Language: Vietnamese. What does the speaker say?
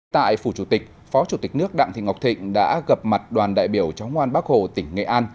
tại phủ chủ tịch phó chủ tịch nước đặng thị ngọc thịnh đã gặp mặt đoàn đại biểu cháu ngoan bắc hồ tỉnh nghệ an